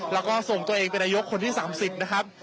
แล้วก็ส่งตัวเองเป็นนายกคนที่๓๐นะครับ